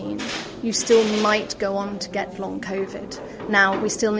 anda masih bisa terus mendapatkan covid jangka panjang